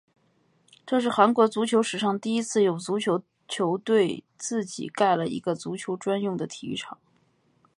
这是韩国足球史上第一次有足球球队自己盖了一个足球专用的体育场。